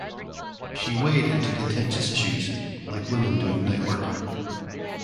She weighed into contentious issues like women doing night work.